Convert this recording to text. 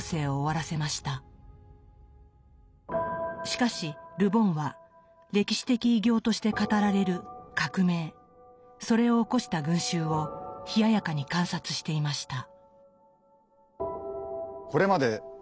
しかしル・ボンは「歴史的偉業」として語られる革命それを起こした群衆を冷ややかに観察していました。